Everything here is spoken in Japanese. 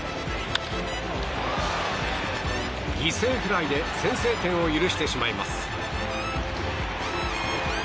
犠牲フライで先制点を許してしまいます。